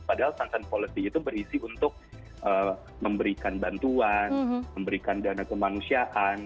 padahal sunsan policy itu berisi untuk memberikan bantuan memberikan dana kemanusiaan